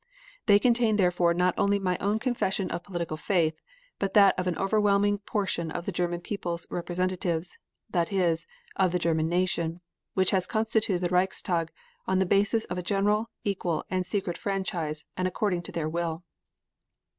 They contain therefore not only my own confession of political faith, but that of an overwhelming portion of the German people's representatives that is, of the German nation which has constituted the Reichstag on the basis of a general, equal, and secret franchise and according to their will.